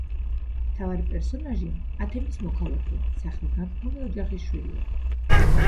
მთავარი პერსონაჟი, ათენის მოქალაქე, სახელგანთქმული ოჯახის შვილია.